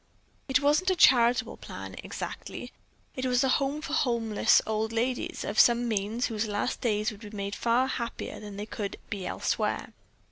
It wasn't a charitable plan, exactly; it was a home for homeless old ladies of some means whose last days would be made far happier there than they could be elsewhere.